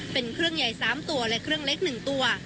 เป็นเครื่องใหญ่๓ตัวและเครื่องเล็ก๑ตัว